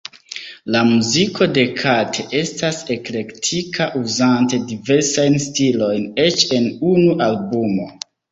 La muziko de Kate estas eklektika, uzante diversajn stilojn eĉ en unu albumo.